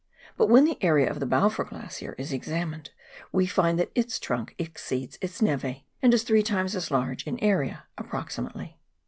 But when the area of the Balfour Glacier is examined, we find that its trunk exceeds its nev^, and is three times as large in area (approximately).